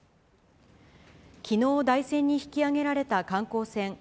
きのう台船に引き揚げられた観光船